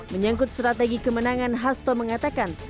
menyangkut strategi kemenangan hasto mengatakan